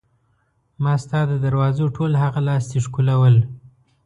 ما ستا د دروازو ټول هغه لاستي ښکلول.